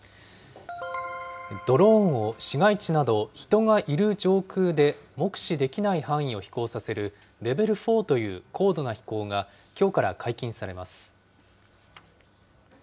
ドローンを市街地など、人がいる上空で目視できない範囲を飛行させる、レベル４という高度な飛行がきょうから解禁されます。